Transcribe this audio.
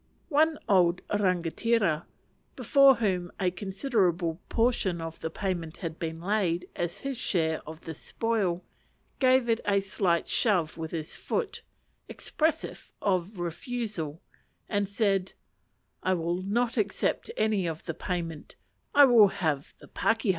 One old rangatira, before whom a considerable portion of the payment had been laid as his share of the spoil, gave it a slight shove with his foot, expressive of refusal, and said, "I will not accept any of the payment; I will have the pakeha."